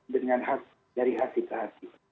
dengan dari hati ke hati